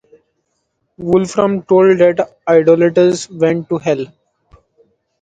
Wulfram told him that idolaters went to Hell.